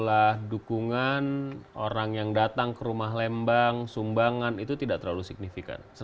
jumlah dukungan orang yang datang ke rumah lembang sumbangan itu tidak terlalu signifikan